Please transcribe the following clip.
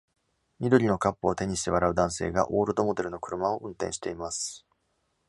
緑のカップを手にして笑う男性がオールドモデルの車を運転しています